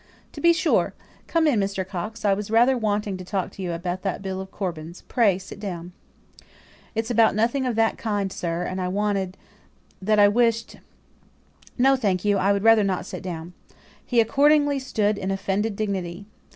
"To be sure. Come in, Mr. Coxe. I was rather wanting to talk to you about that bill of Corbyn's. Pray sit down." "It is about nothing of that kind, sir, that I wanted that I wished No, thank you I would rather not sit down." He, accordingly, stood in offended dignity.